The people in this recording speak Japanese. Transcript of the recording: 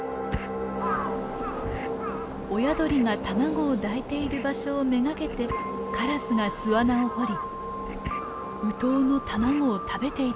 親鳥が卵を抱いている場所を目がけてカラスが巣穴を掘りウトウの卵を食べていたのです。